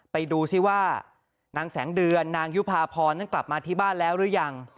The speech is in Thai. ไปดูซิว่านางแสงเดือนนางยุภาพรนั้นกลับมาที่บ้านแล้วหรือยัง